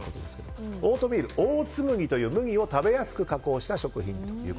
オートミール、オーツ麦という麦を食べやすく加工した食品と。